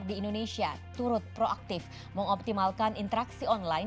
di indonesia turut proaktif mengoptimalkan interaksi online